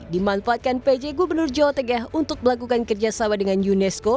dimanfaatkan pj gubernur jawa tengah untuk melakukan kerjasama dengan unesco